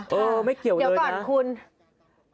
เออไม่เกี่ยวกันเลยนะ